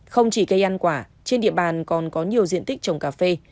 không chỉ cây ăn quả trên địa bàn còn có nhiều diện tích trồng cà phê